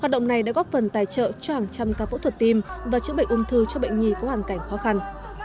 hoạt động này đã góp phần tài trợ cho hàng trăm ca phẫu thuật tim và chữa bệnh ung thư cho bệnh nhi có hoàn cảnh khó khăn